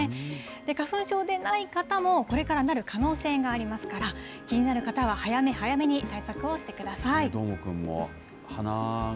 花粉症でない方も、これからなる可能性がありますから、気になる方は早め早めに対策をしてください。